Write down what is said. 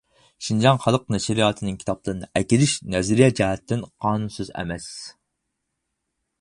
شىنجاڭ خەلق نەشرىياتىنىڭ كىتابلىرىنى ئەكىرىش نەزەرىيە جەھەتتىن قانۇنسىز ئەمەس.